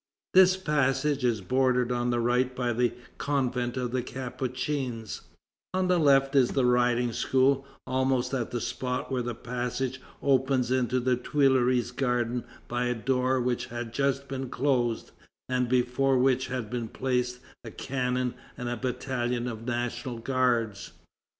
This passage is bordered on the right by the convent of the Capuchins; on the left is the Riding School, almost at the spot where the passage opens into the Tuileries Garden by a door which had just been closed, and before which had been placed a cannon and a battalion of National Guards.